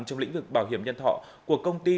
trong lĩnh vực bảo hiểm nhân thọ của công ty